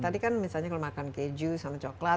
tadi kan misalnya kalau makan keju sama coklat